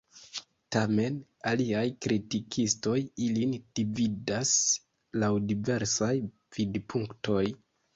Tamen aliaj kritikistoj ilin dividas laŭ diversaj vidpunktoj.